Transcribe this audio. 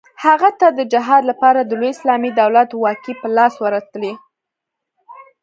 هغه ته د جهاد لپاره د لوی اسلامي دولت واګې په لاس ورتلې.